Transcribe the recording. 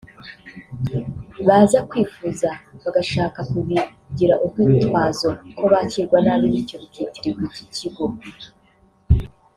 baza kwifuza bagashaka kubigira urwitwazo ko bakirwa nabi bityo bikitirirwa iki kigo